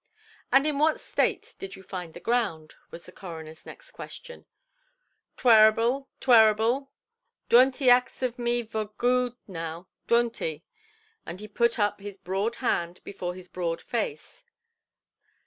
"And in what state did you find the ground"? was the coronerʼs next question. "Twearable, twearable. Dwont 'e ax ov me vor gude now, dwont 'e". And he put up his broad hand before his broad face.